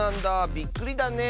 びっくりだねえ。